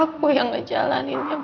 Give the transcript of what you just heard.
aku yang ngejalaninnya berat